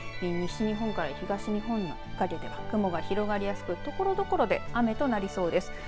西日本から東日本にかけては雲が広がりやすくところどころで雨となりそうです。